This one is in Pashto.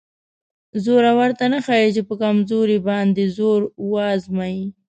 زورور ته نه ښایي چې په کمزوري باندې زور وازمایي.